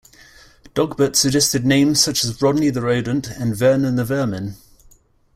Dogbert suggested names such as 'Rodney the Rodent' and 'Vernon the Vermin'.